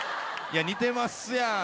いや似てますやん。